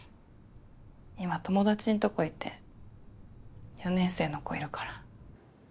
今友達んとこいて４年生の子いるから。